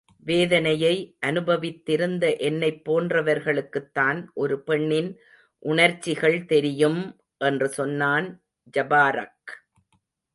வேதனையை அனுபவித்திருந்த என்னைப் போன்றவர்களுக்குத்தான் ஒரு பெண்ணின் உணர்ச்சிகள் தெரியும்! என்று சொன்னான் ஜபாரக்.